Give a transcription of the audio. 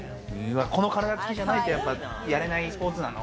この体つきじゃないとやれないスポーツなの？